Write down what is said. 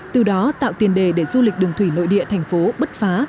từ đó tạo tiền đề để du lịch đường thủy nội địa thành phố bứt phá